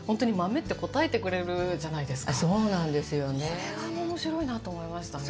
それが面白いなと思いましたね。